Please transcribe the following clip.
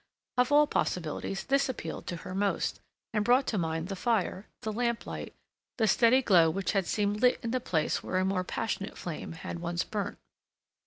Of all possibilities this appealed to her most, and brought to mind the fire, the lamplight, the steady glow which had seemed lit in the place where a more passionate flame had once burnt.